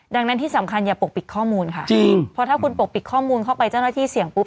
ดังนั้นที่สำคัญอย่าปกปิดข้อมูลค่ะเพราะถ้าคุณปกปิดข้อมูลเข้าไปเจ้าหน้าที่เสี่ยงปุ๊